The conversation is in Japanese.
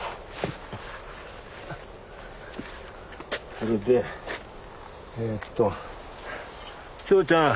これでえっと正ちゃん。